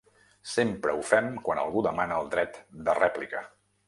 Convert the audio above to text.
Sempre ho fem quan algú demana el dret de rèplica.